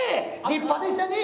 立派でしたで。